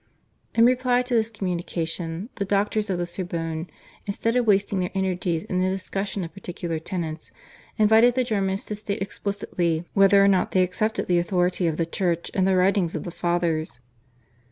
In reply to this communication the doctors of the Sorbonne, instead of wasting their energies in the discussion of particular tenets, invited the Germans to state explicitly whether or not they accepted the authority of the Church and the writings of the Fathers.